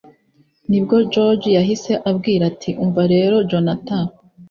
nibwo george yahise ambwira ati: umva rero jonathan!